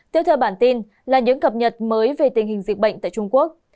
tiếp theo bản tin là những cập nhật mới về tình hình dịch bệnh tại trung quốc